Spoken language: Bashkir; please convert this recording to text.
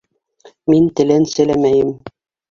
Мин теләнселәмәйем.